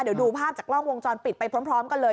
เดี๋ยวดูภาพจากกล้องวงจรปิดไปพร้อมกันเลย